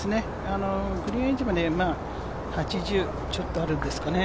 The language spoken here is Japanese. グリーンエッジまで８０ちょっとあるんですかね。